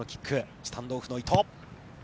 スタンドオフの伊藤。